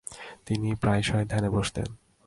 তিনি প্রায়শই ধ্যানে বসতেন।